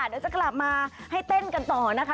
เดี๋ยวจะกลับมาให้เต้นกันต่อนะคะ